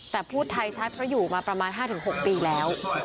แต่พูดไทยชัดเพราะอยู่มาประมาณ๕๖ปีแล้ว